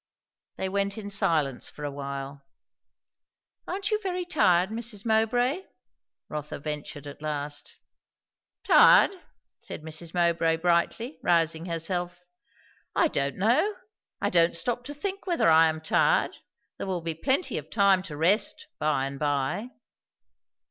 They went in silence for a while. "Aren't you very tired, Mrs. Mowbray?" Rotha ventured at last. "Tired?" said Mrs. Mowbray brightly, rousing herself. "I don't know! I don't stop to think whether I am tired. There will be plenty of time to rest, by and by."